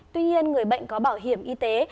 tuy nhiên người bệnh có bảo hiểm y tế